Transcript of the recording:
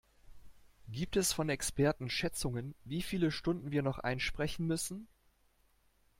Gibt es von Experten Schätzungen, wie viele Stunden wir noch einsprechen müssen?